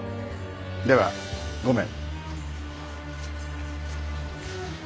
ではごめん。